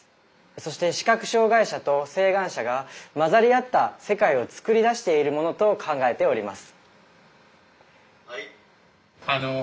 そして視覚障害者と晴眼者が混ざりあった世界を作り出しているものと考えております。